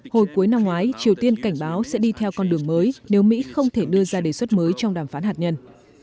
hồi cuối năm ngoái triều tiên cảnh báo sẽ đi theo con đường mới nếu mỹ không thể đưa ra đề xuất mới trong đàm phán hạt nhân